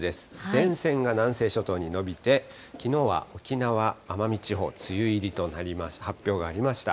前線が南西諸島に延びて、きのうは沖縄・奄美地方、梅雨入りとなり、発表がありました。